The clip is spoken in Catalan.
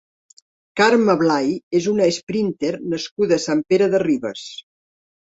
Carme Blay és una esprínter nascuda a Sant Pere de Ribes.